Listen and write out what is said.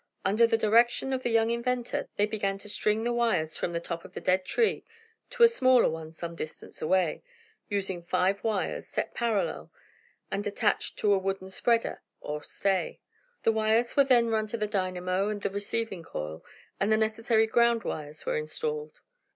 Under the direction of the young inventor, they began to string the wires from the top of the dead tree, to a smaller one, some distance away, using five wires, set parallel, and attached to a wooden spreader, or stay. The wires were then run to the dynamo, and the receiving coil, and the necessary ground wires were installed.